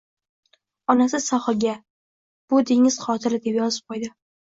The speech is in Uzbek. Onasi sohilga, "Bu dengiz qotil" - deb yozib qõydi